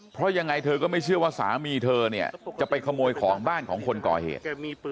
เพราะยังไงเธอก็ไม่เชื่อว่าสามีเธอเนี่ยจะไปขโมยของบ้านของคนก่อเหตุ